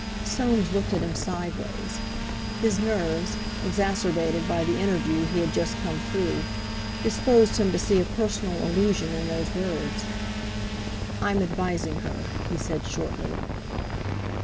Soames looked at him sideways. His nerves, exacerbated by the interview he had just come through, disposed him to see a personal allusion in those words. "I'm advising her," he said shortly.